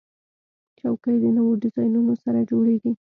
چوکۍ د نوو ډیزاینونو سره جوړیږي.